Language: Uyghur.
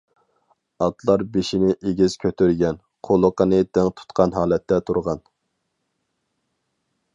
ئاتلار بېشىنى ئېگىز كۆتۈرگەن، قۇلىقىنى دىڭ تۇتقان ھالەتتە تۇرغان.